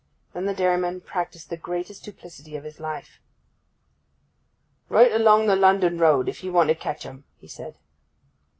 Then the dairyman practised the greatest duplicity of his life. 'Right along the London road, if you want to catch 'em!' he said.